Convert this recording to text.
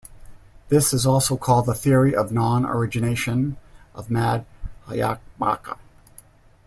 This is also called the theory of non-origination of Madhyamaka.